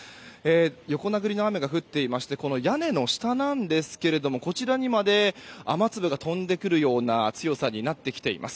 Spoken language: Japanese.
横殴りの雨が降っていましてこちら、屋根の下なんですがこちらにまで雨粒が飛んでくるような強さになってきています。